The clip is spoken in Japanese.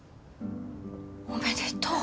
おめでとう。